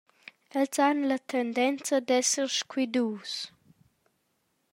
Els han la tendenza d’esser scuidus.